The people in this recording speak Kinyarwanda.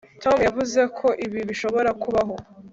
Tom yavuze ko ibi bishobora kubaho